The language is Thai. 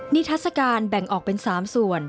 นิทัศกาลแบ่งออกเป็น๓ส่วน